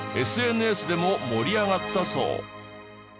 ＳＮＳでも盛り上がったそう。